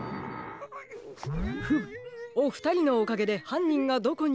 フムおふたりのおかげではんにんがどこにいるのかわかりました。